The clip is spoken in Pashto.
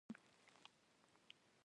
چې زموږ د وطن تاریخ پکې ښودل شوی و